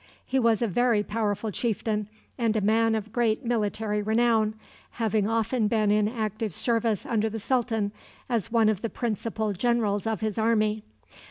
He was a very powerful chieftain, and a man of great military renown, having often been in active service under the sultan as one of the principal generals of his army.